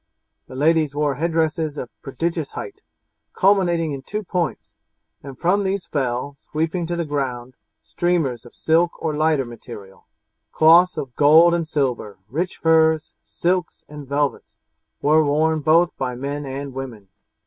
The ladies wore headdresses of prodigious height, culminating in two points; and from these fell, sweeping to the ground, streamers of silk or lighter material. Cloths of gold and silver, rich furs, silks, and velvets, were worn both by men and women.